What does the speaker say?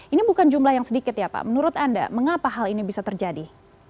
ini bukan jumlah yang sedikit ya pak menurut anda mengapa hal ini bisa terjadi